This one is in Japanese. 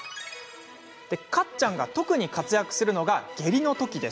カッちゃんが特に活躍するのが下痢のとき。